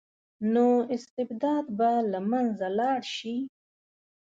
نو استبداد به له منځه لاړ شي.